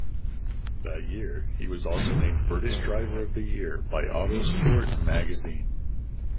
That year he was also named British Driver of the Year by "Autosport" magazine.